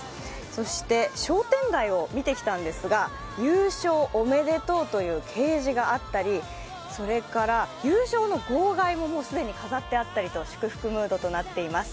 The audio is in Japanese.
そして商店街を見てきたんですが、優勝おめでとうという掲示があったり、それから優勝の号外も既に飾ってあったりと祝福ムードとなっています。